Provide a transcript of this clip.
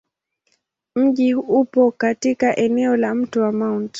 Mji upo katika eneo la Mto wa Mt.